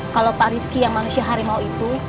kalau pak rizky yang manusia harimau itu